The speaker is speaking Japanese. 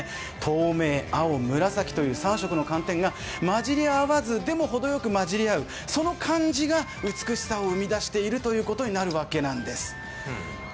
透明、青、紫という３色の寒天が混じり合わず、でもほどよく混じり合う、その感じが美しさを生み出すということなんです。